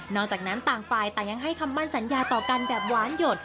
หลังจากนั้นต่างฝ่ายต่างยังให้คำมั่นสัญญาต่อกันแบบหวานหยด